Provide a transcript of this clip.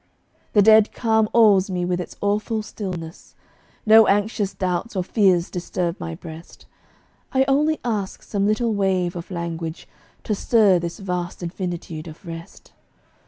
The dead calm awes me with its awful stillness. No anxious doubts or fears disturb my breast; I only ask some little wave of language, To stir this vast infinitude of rest.